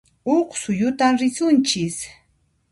Huq suyutan risunchis